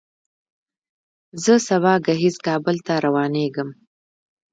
زه سبا ګهیځ کابل ته روانېږم.